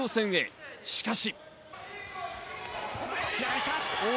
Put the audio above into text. しかし。